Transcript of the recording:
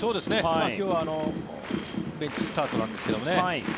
今日はベンチスタートなんですけどね。